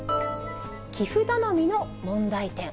寄付頼みの問題点。